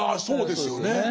そうですよね。